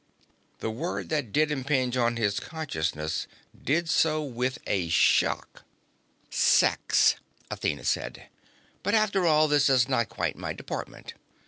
The word that did impinge on his consciousness did so with a shock. "Sex," Athena said. "But, after all, that is not quite in my department."